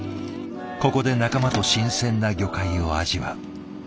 ここで仲間と新鮮な魚介を味わう。